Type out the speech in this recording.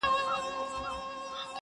• د قاضي عاید لا نور پسي زیاتېږي,